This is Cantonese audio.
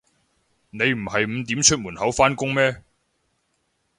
你唔係五點出門口返工咩